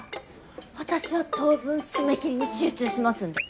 私は当分締め切りに集中しますんで。